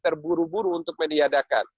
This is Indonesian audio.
terburu buru untuk meniadakan